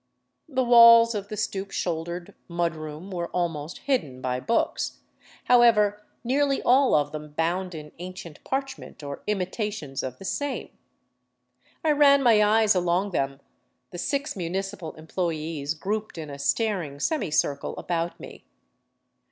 The walls of the stoop shoul dered mud room were almost hidden by books, however, nearly all of them bound in ancient parchment or imitations of the same. I ran my eyes along them, the six municipal employees grouped in a staring semicircle about me.